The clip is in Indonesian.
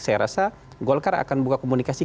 saya rasa golkar akan buka komunikasi